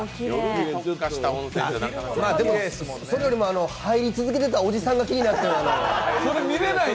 それよりも入り続けてたおじさんが気になって。